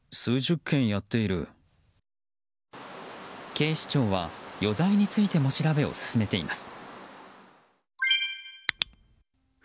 警視庁は余罪についても調べを進めています。